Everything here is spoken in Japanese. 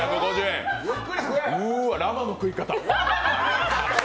うわ、ラマの食い方。